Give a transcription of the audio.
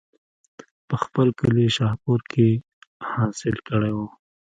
پۀ خپل کلي شاهپور کښې حاصل کړے وو